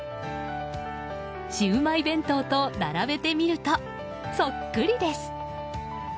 シウマイ弁当と並べてみるとそっくりです。